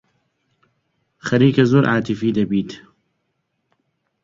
خەریکە زۆر عاتیفی دەبیت.